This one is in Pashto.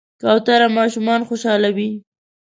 کوتره ماشومان خوشحالوي.